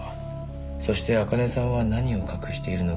そして茜さんは何を隠しているのか。